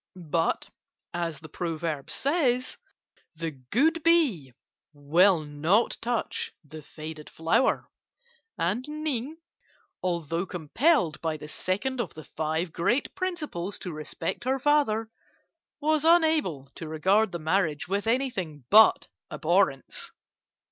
But, as the proverb says, 'The good bee will not touch the faded flower,' and Ning, although compelled by the second of the Five Great Principles to respect her father, was unable to regard the marriage with anything but abhorrence.